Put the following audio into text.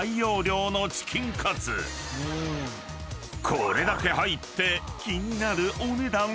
［これだけ入って気になる］